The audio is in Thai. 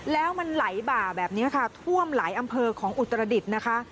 แล้วมันไหลบ่าแบบนี้ค่ะท่วมหลายอำเภอของอุตรดิษฐ์นะคะ